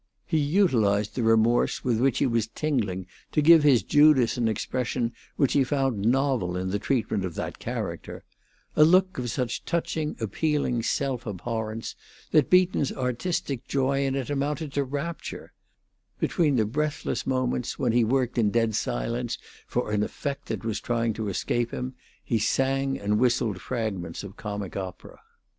He utilized the remorse with which he was tingling to give his Judas an expression which he found novel in the treatment of that character a look of such touching, appealing self abhorrence that Beaton's artistic joy in it amounted to rapture; between the breathless moments when he worked in dead silence for an effect that was trying to escape him, he sang and whistled fragments of comic opera.